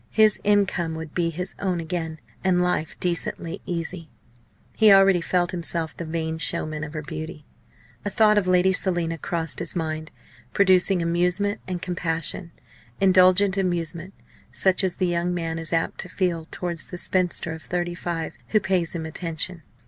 His income would be his own again, and life decently easy. He already felt himself the vain showman of her beauty. A thought of Lady Selina crossed his mind, producing amusement and compassion indulgent amusement, such as the young man is apt to feel towards the spinster of thirty five who pays him attention.